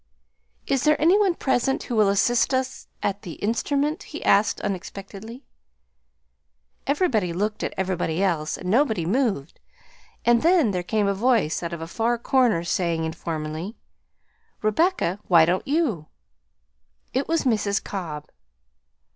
"Is there any one present who will assist us at the instrument?" he asked unexpectedly. Everybody looked at everybody else, and nobody moved; then there came a voice out of a far corner saying informally, "Rebecca, why don't you?" It was Mrs. Cobb.